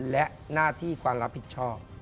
และหน้าที่ความรับผิดชอบ